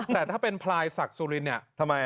แต่ถ้าเป็นพลายสักสุรินทร์เนี่ย